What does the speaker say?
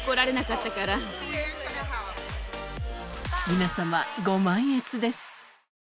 皆様、ご満悦です。